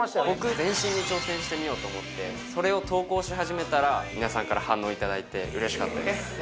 僕全身に挑戦してみよう思ってそれを投稿し始めたら皆さんから反応いただいて嬉しかったです